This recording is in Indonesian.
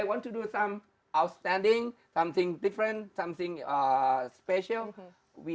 jika saya ingin melakukan sesuatu yang luar biasa sesuatu yang berbeda sesuatu yang istimewa